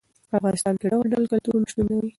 په افغانستان کې ډول ډول کلتورونه شتون لري.